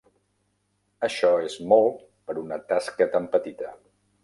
Això és molt per una tasca tan petita.